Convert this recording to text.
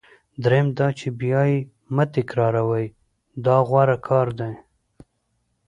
دریم دا چې بیا یې مه تکراروئ دا غوره کار دی.